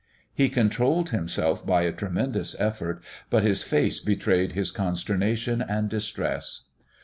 He controlled himself by a tremendous effort, but his face betrayed his consternation and distress.